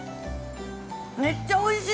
めっちゃおいしい！